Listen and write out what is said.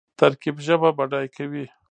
ترکیب ژبه بډایه کوي.